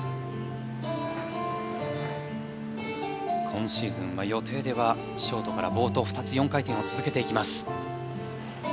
今シーズンは予定ではショートから冒頭２つ４回転を続けていきます。